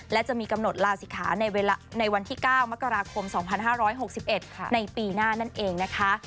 และจะมีกำหนดลาศิกขาในวันที่๙มกราคม๒๕๖๑ในปีหน้านั่นเองนะคะ